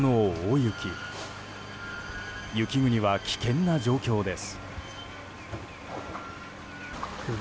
雪国は危険な状況です。